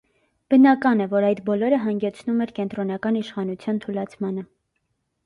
Բնական է, որ այդ բոլորը հանգեցնում էր կենտրոնական իշխանության թուլացմանը։